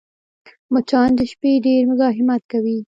مچان د شپې ډېر مزاحمت کوي